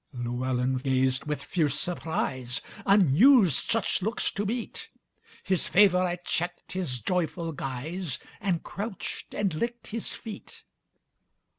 Llewelyn gazed with fierce surprise; Unused such looks to meet, His favorite checked his joyful guise, And crouched and licked his feet.